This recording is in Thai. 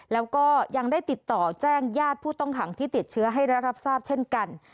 แล้วก็ยังได้ติดต่อแจ้งญาติผู้ต้องขังที่ติดเชื้อให้ได้รับทราบเช่นกัน